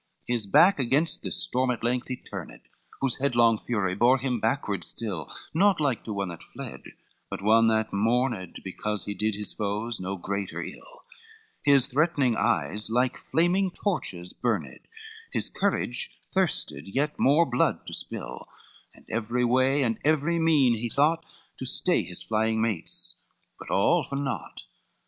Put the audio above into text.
CXIII His back against this storm at length he turned, Whose headlong fury bore him backward still, Not like to one that fled, but one that mourned Because he did his foes no greater ill, His threatening eyes like flaming torches burned, His courage thirsted yet more blood to spill, And every way and every mean he sought, To stay his flying mates, but all for naught.